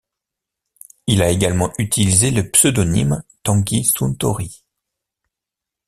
Il a également utilisé le pseudonyme Tanguy Suntorii.